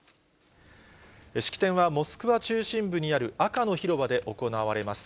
式典はモスクワ中心部にある赤の広場で行われます。